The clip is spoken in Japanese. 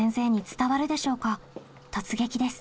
突撃です。